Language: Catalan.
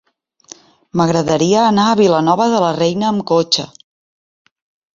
M'agradaria anar a Vilanova de la Reina amb cotxe.